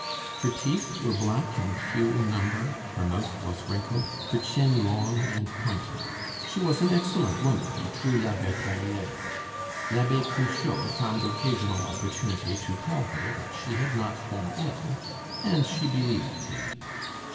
Her teeth were black and few in number, her mouth was wrinkled, her chin long and pointed. She was an excellent woman, a true la Bertelliere. L'abbe Cruchot found occasional opportunity to tell her that she had not done ill; and she believed him.